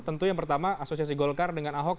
tentu yang pertama asosiasi golkar dengan ahok